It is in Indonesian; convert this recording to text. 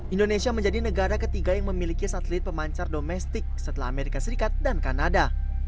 indonesia menjadi negara ketiga yang memiliki satelit pemancar domestik setelah amerika serikat dan kanada